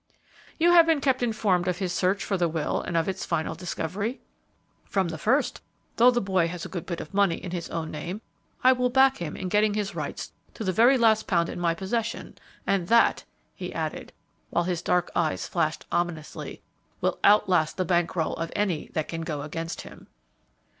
"You have been kept informed of his search for the will and of its final discovery?" "From the first; and though the boy has a good bit of money in his own name, I will back him in getting his rights to the very last pound in my possession, and that," he added, while his dark eyes flashed ominously, "will outlast the bank roll of any that can go against him."